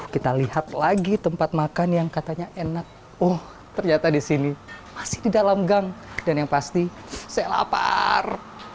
kita lihat lagi tempat makan yang katanya enak oh ternyata di sini masih di dalam gang dan yang pasti saya lapar